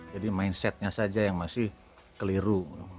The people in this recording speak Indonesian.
jadi mindsetnya saja yang masih keliru